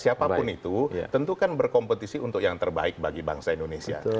siapapun itu tentu kan berkompetisi untuk yang terbaik bagi bangsa indonesia